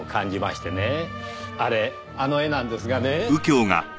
あれあの絵なんですがね。